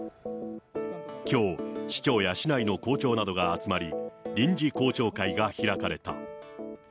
きょう、市長や市内の校長などが集まり、臨時校長会が開かれた。